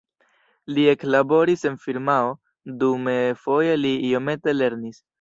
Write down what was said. Li eklaboris en firmao, dume foje li iomete lernis.